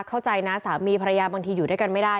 เข้าใจนะสามีภรรยาบางทีอยู่ด้วยกันไม่ได้